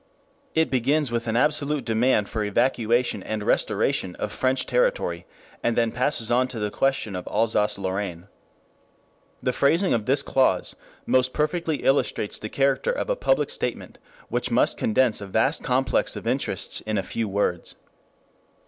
It begins with an absolute demand for evacuation and restoration of French territory, and then passes on to the question of Alsace Lorraine. The phrasing of this clause most perfectly illustrates the character of a public statement which must condense a vast complex of interests in a few words.